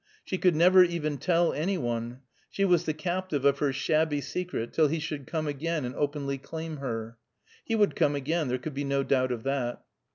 She could never even tell any one; she was the captive of her shabby secret till he should come again and openly claim her. He would come again; there could be no doubt of that.